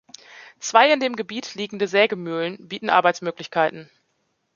Zwei in dem Gebiet liegende Sägemühlen bieten Arbeitsmöglichkeiten.